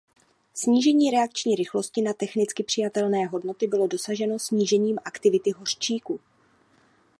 Snížení reakční rychlosti na technicky přijatelné hodnoty bylo dosaženo snížením aktivity hořčíku.